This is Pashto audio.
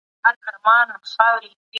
صدقه د انسان زړه او روح ته سکون ورکوي.